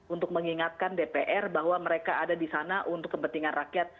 untuk mengingatkan dpr bahwa mereka ada di sana untuk kepentingan rakyat